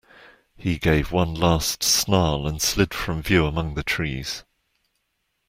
He gave one last snarl and slid from view among the trees.